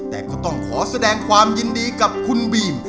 แต่ก็ต้องขอแสดงความยินดีกับคุณบีม